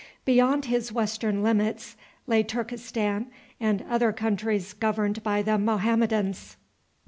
Beyond his western limits lay Turkestan and other countries governed by the Mohammedans.